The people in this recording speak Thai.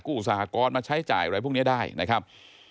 สหกรณ์มาใช้จ่ายอะไรพวกนี้ได้นะครับ